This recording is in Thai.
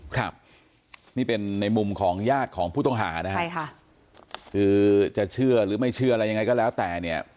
ครับนี่เป็นในมุมของญาติของผู้ต้องหานะฮะใช่ค่ะคือจะเชื่อหรือไม่เชื่ออะไรยังไงก็แล้วแต่เนี่ย